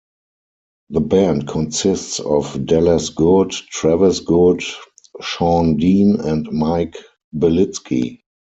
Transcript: The band consists of Dallas Good, Travis Good, Sean Dean and Mike Belitsky.